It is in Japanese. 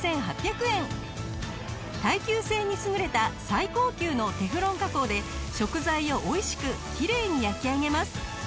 耐久性に優れた最高級のテフロン加工で食材を美味しくきれいに焼き上げます。